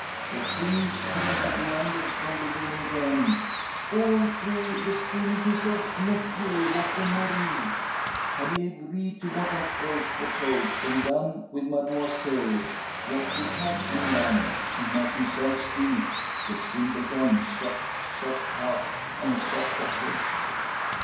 The thing's been a blunder from beginning to end; all through the squeamishness of Monsieur, votre mari. Had he agreed to what I first proposed, and done with Mademoiselle, what should have been done, he might himself still The simpleton, sot soft heart, and softer head!